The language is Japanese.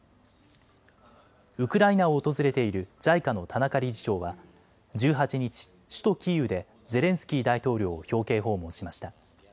ウクライナを訪れているＪＩＣＡの田中理事長は１８日、首都キーウでゼレンスキー大統領を表敬訪問しました。